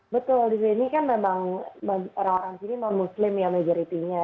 betul di sini kan memang orang orang sini memang muslim ya majoritinya